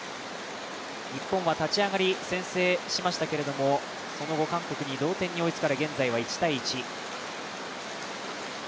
日本は立ち上がり先制しましたけれども、その後韓国に同点に追いつかれ現在は１−１。